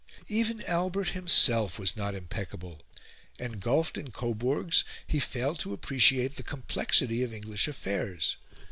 Even Albert himself was not impeccable. Engulfed in Coburgs, he failed to appreciate the complexity of English affairs.